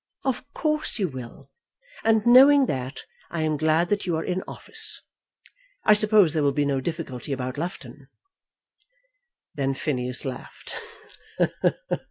"Of course you will; and knowing that, I am glad that you are in office. I suppose there will be no difficulty about Loughton." Then Phineas laughed.